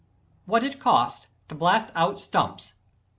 What it Costs to Blast Out Stumps.